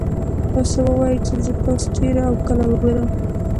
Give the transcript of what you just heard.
تاسو ووايئ چې زه تاسو چېرې او کله وګورم.